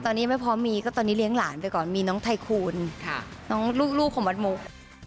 ตอนนี้ยังไม่พร้อมมีก็ตอนนี้เลี้ยงหลานไปก่อนมีน้องไทคูณน้องลูกของวัดมุก